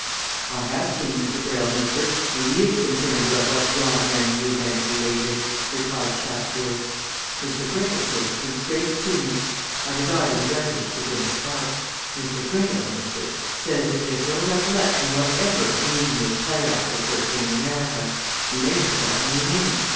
"I have seen Mr. Greyle, mister, and he is concerned about what yon man, Ewbank, related," replied Chatfield. "Mr. Greyle, sir, came straight to me I reside in a residence within the park. Mr. Greyle, mister, says that he has no recollection whatever of meeting this play actor person in America he may have done and he mayn't.